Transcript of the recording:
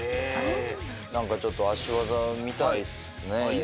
何かちょっと足技見たいっすね。